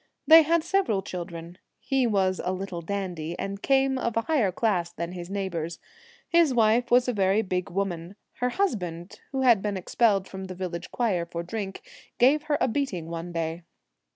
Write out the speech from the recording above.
They had several children. He was a little dandy, and came of a higher class than his neighbours. His wife was a very big woman. Her husband, who had been expelled from the village choir for drink, gave her a beating one day.